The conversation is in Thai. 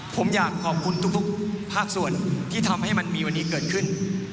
ผมอยากขอบคุณทุกภาคส่วนที่ทำให้มันมีวันนี้เกิดขึ้น